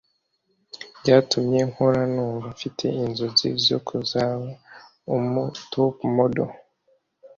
byatumye nkura numva mfite inzozi zo kuzaba umu Top model